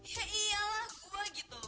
ya iyalah gue gitu